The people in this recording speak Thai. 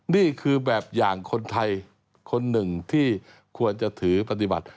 นี่คือแบบอย่างคนไทยคนหนึ่งที่ควรจะถือปฏิบัติ